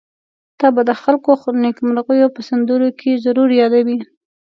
تا به د خپلو نېکمرغيو په سندرو کې ضرور يادوي.